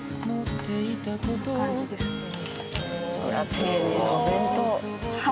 丁寧なお弁当。